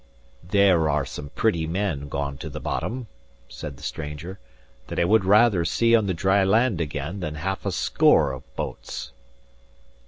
"There are some pretty men gone to the bottom," said the stranger, "that I would rather see on the dry land again than half a score of boats."